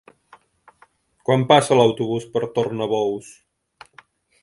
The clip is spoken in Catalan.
Quan passa l'autobús per Tornabous?